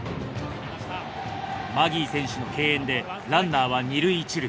マギー選手の敬遠でランナーは二塁一塁。